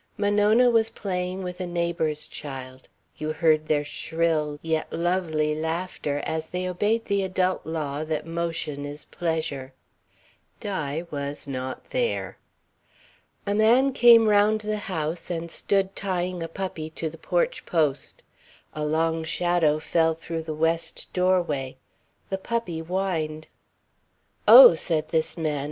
Monona was playing with a neighbour's child you heard their shrill yet lovely laughter as they obeyed the adult law that motion is pleasure. Di was not there. A man came round the house and stood tying a puppy to the porch post. A long shadow fell through the west doorway, the puppy whined. "Oh," said this man.